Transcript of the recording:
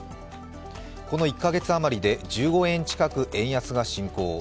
この１カ月余りで１５円近く円安が進行。